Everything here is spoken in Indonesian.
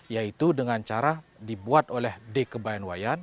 yaitu dengan cara dibuat oleh d kebayan wayan